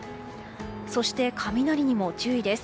そして、雷にも注意です。